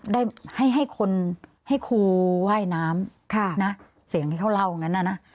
ได้ให้ให้คนให้ครูว่ายน้ำค่ะนะเสียงที่เขาเล่าอย่างนั้นน่ะนะ